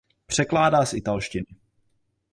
Překládá z italštiny.